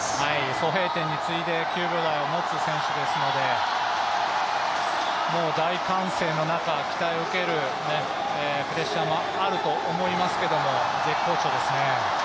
ソ・ヘイテンに次いで９秒台を持つ選手ですので、大歓声の中、期待を受けるプレッシャーもあると思いますけど絶好調ですね。